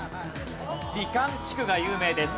美観地区が有名です。